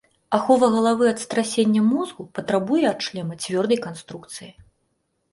Ахова галавы ад страсення мозгу патрабуе ад шлема цвёрдай канструкцыі.